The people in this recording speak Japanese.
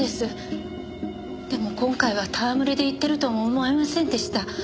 でも今回は戯れで言ってるとも思えませんでした。